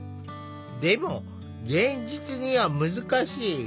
でも現実には難しい。